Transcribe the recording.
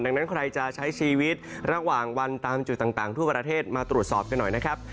ดังนั้นใครจะใช้ชีวิตระหว่างวันตามจุดต่างทั่วประเทศมาตรวจสอบกันหน่อยนะครับ